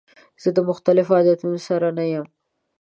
زه د مختلفو عادتونو سره نه یم.